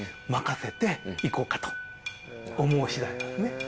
思う次第なんですね。